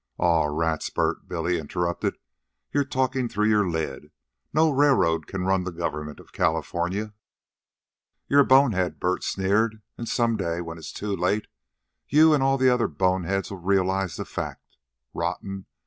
"Aw, rats, Bert," Billy interrupted. "You're talkin' through your lid. No railroad can ran the government of California." "You're a bonehead," Bert sneered. "And some day, when it's too late, you an' all the other boneheads'll realize the fact. Rotten?